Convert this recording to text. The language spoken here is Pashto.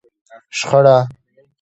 شخړه